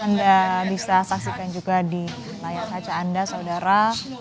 anda bisa saksikan juga di layar kaca anda saudara